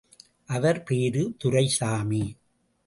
அவர் பேரு துரைசாமி.